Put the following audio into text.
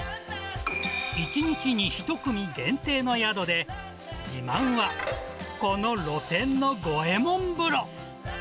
１日に１組限定の宿で、自慢はこの露天の五右衛門風呂。